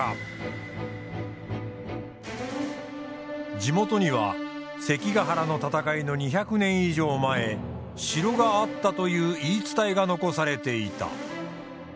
地元には関ヶ原の戦いの２００年以上前城があったという言い伝えが残されていた。